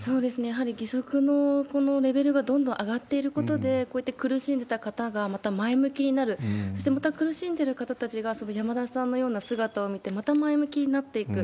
やはり義足のレベルがレベルがどんどん上がっていることで、こうやって苦しんでた方がまた前向きになる、そしてまた苦しんでる方たちが山田さんのような姿を見て、また前向きになっていく。